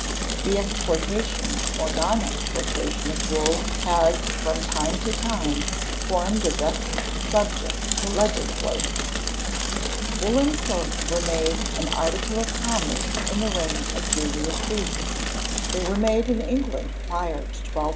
The exportation or non exportation of wool has from time to time formed a vexed subject for legislators. Woollen clothes were made an article of commerce in the reign of Julius Cæsar. They were made in England prior to 1200.